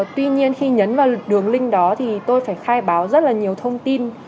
tuy nhiên khi nhấn vào đường link đó thì tôi phải khai báo rất là nhiều thông tin